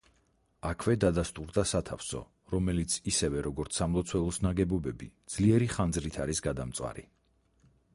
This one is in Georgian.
აქვე დადასტურდა სათავსო, რომელიც ისევე როგორც სამლოცველოს ნაგებობები, ძლიერი ხანძრით არის გადამწვარი.